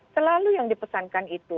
selalu yang dipesankan itu